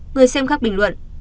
người xem khắc bình luận